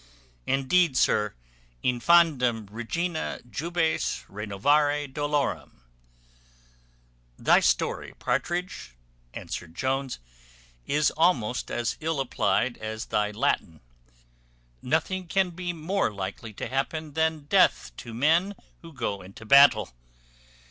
Indeed, sir, infandum, regina, jubes renovare dolorem." "Thy story, Partridge," answered Jones, "is almost as ill applied as thy Latin. Nothing can be more likely to happen than death to men who go into battle.